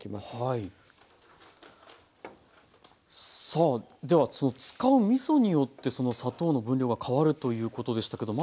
さあでは使うみそによって砂糖の分量が変わるということでしたけど